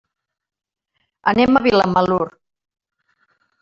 Anem a Vilamalur.